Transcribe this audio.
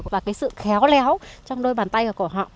và cái sự khéo léo trong đôi bàn tay của họ